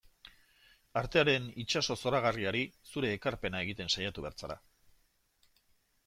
Artearen itsaso zoragarriari zure ekarpena egiten saiatu behar zara.